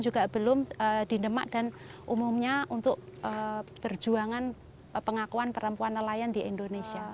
juga belum dinemak dan umumnya untuk perjuangan pengakuan perempuan nelayan di indonesia